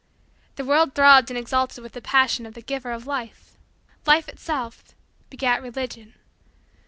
The world throbbed and exulted with the passion of the Giver of Life. Life itself begat Religion.